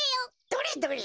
どれどれ？